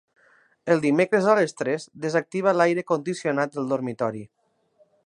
Els dimecres a les tres desactiva l'aire condicionat del dormitori.